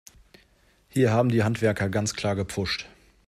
Hier haben die Handwerker ganz klar gepfuscht.